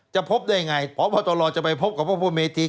จะพบได้ไงเพราะพ่อตนรอยจะไปพบกับพวกพวกเมที